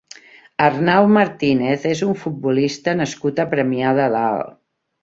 Arnau Martínez és un futbolista nascut a Premià de Dalt.